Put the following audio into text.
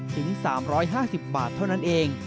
ถึง๓๕๐บาทเท่านั้นเอง